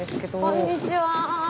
こんにちは。